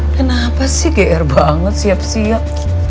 kenapa sih gr banget siap siap